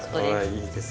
いいですね。